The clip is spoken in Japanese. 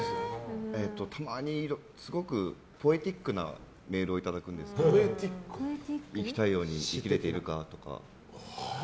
たまに、すごくポエティックなメールをいただくんですけど生きたいように生きているかとか。